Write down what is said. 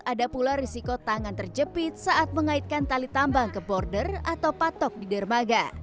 ada pula risiko tangan terjepit saat mengaitkan tali tambang ke border atau patok di dermaga